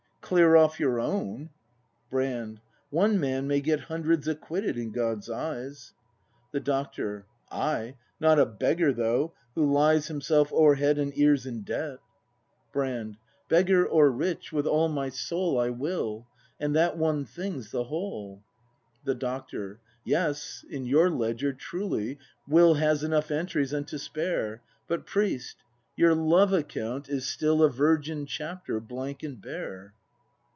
Clear off your own ! Brand. One man may get Hundreds acquitted, in God's eyes. The Doctor. Ay; not a Beggar, though, who lies Himself o'er head and ears in debt. ACT III] BRAND 113 Brand. Beggar or rich, — with all my soul I will; — and that one thing's the whole! The Doctor. Yes, in your ledger, truly. Will Has enough entries and to spare: But, priest, your L o v e account is still A virgin chapter, blank and bare.